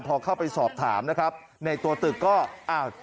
พอเข้าไปสอบถามนะครับในตัวตึกก็อ้าว